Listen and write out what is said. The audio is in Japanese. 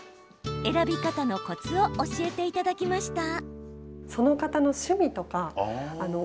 選び方のコツを教えていただきました。